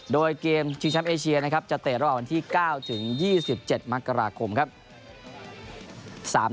โดยเกมจิงชัมป์เอเชียจะเตะรอบวันที่๙๒๗มคครับ